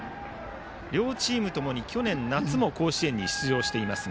両チームともに去年夏も甲子園に出場しています。